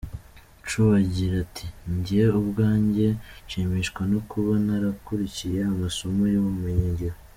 Chew agira ati “Njye ubwanjye nshimishwa no kuba narakurikiye amasomo y’ubumenyi ngiro.